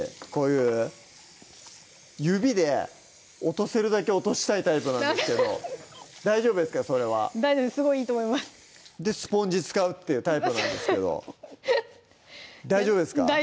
こういう指で落とせるだけ落としたいタイプなんですけど大丈夫ですかそれは大丈夫すごいいいと思いますでスポンジ使うっていうタイプなんですけど大丈夫ですか？